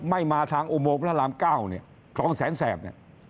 ไม่มาทางอุโมงพระรามเก้าเนี่ยคลองแสนแสบเนี่ย